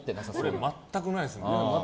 俺、全くないですね。